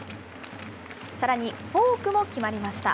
さらにフォークも決まりました。